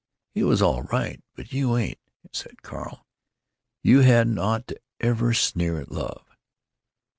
"He was all right, but you ain't," said Carl. "You hadn't ought to ever sneer at love."